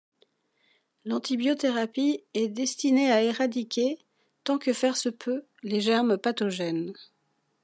L'antibiothérapie est destinée à éradiquer, tant que faire se peut, les germes pathogènes.